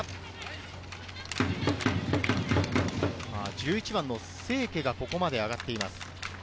１１番・清家がここまで上がっています。